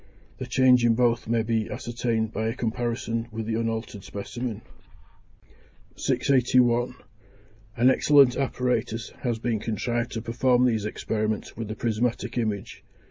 The change in both may be ascertained by a comparison with the unaltered specimen. 681. An excellent apparatus has been contrived to perform these experiments with the prismatic image.